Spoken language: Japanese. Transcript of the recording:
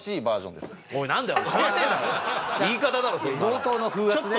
同等の風圧ね。